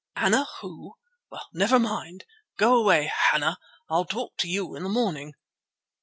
"Anna who? Well, never mind. Go away, Hanna. I'll talk to you in the morning."